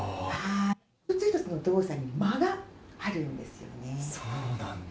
一つ一つの動作に間があるんですそうなんだ。